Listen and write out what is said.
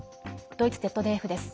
ドイツＺＤＦです。